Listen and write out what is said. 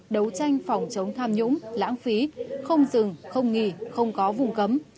đấu tranh phòng chống tham nhũng lãng phí không dừng không nghỉ không có vùng cấm